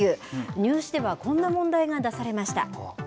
入試ではこんな問題が出されました。